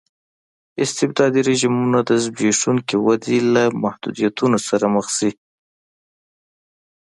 استبدادي رژیمونه د زبېښونکې ودې له محدودیتونو سره مخ شي.